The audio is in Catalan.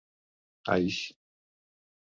Aix